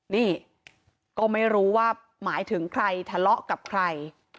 นี่ก็ไม่รู้ว่าหมายถึงใครทะเลาะกับใคร